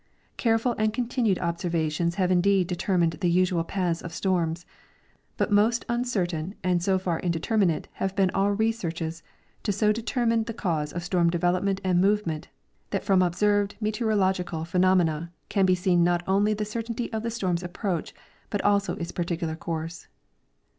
Careful and continued observations have indeed determined the usual paths of storms, but most uncertain and so far indeterminate have been all researches to so determine the cause of storm development and movement that from ob served meteorological phenomena can be seen not onl}'' the cer tainty of the storm's approach l)ut also its particular course.